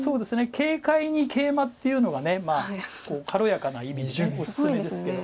軽快にケイマっていうのは軽やかな意味でおすすめですけど。